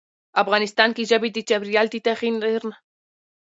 افغانستان کې ژبې د چاپېریال د تغیر نښه ده.